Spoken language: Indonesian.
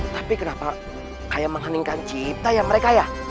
tapi kenapa kayak menghaningkan cipta ya mereka ya